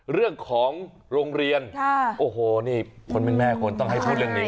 เรื่องของโรงเรียนโอ้โหนี่คนเป็นแม่คนต้องให้พูดเรื่องนี้